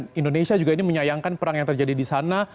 dan indonesia juga ini menyayangkan perang yang terjadi di sana